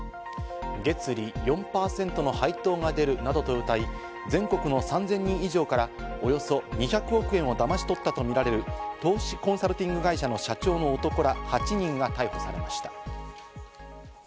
月利４％の配当が出るなどとうたい、全国の３０００人以上からおよそ２００億円をだまし取ったとみられる投資コンサルティング会社の社長の男ら８人が逮捕されました。